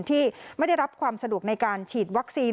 ที่ไม่ได้รับความสะดวกในการฉีดวัคซีน